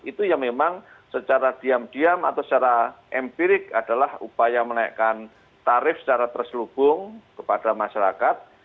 itu yang memang secara diam diam atau secara empirik adalah upaya menaikkan tarif secara terselubung kepada masyarakat